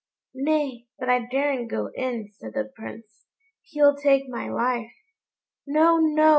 "Nay, but I daren't go in," said the Prince; "he'll take my life." "No! no!"